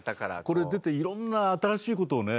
これ出ていろんな新しいことをね